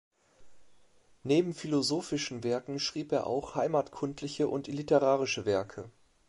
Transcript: Neben philosophischen Werken schrieb er auch heimatkundliche und literarische Werke.